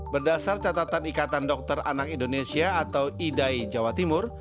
berdasar catatan ikatan dokter anak indonesia atau idai jawa timur